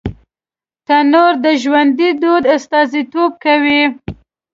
تنور د ژوندي دود استازیتوب کوي